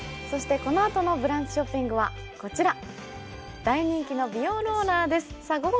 そしてこのあとのブランチショッピングはこちら大人気の美容ローラーですさあ